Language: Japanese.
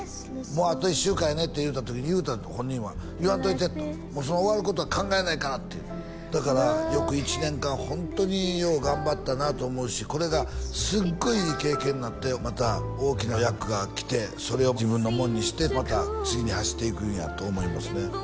もうあと１週間やねって言うた時に言うたって本人は「言わんといて」と「終わることは考えないから」ってだからよく１年間ホントによう頑張ったなと思うしこれがすっごいいい経験になってまた大きな役が来てそれを自分のもんにしてまた次に走っていくんやと思いますね